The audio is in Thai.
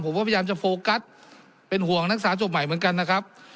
พยายามจะโฟกัสเป็นห่วงนักศึกษาจบใหม่เหมือนกันนะครับ